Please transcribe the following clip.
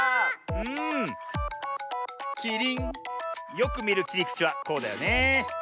よくみるきりくちはこうだよねえ。